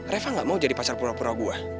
reva gak mau jadi pacar pura pura gue